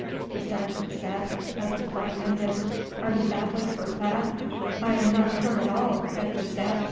the sergeant said as the fight ended. "Are you badly hurt, lad?" "I am not hurt at all," Edgar said.